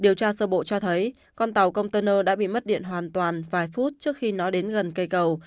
điều tra sơ bộ cho thấy con tàu container đã bị mất điện hoàn toàn vài phút trước khi nói đến gần cây cầu